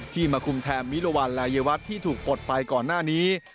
มาคุมแทนมิรวรรณรายวัฒน์ที่ถูกปลดไปก่อนหน้านี้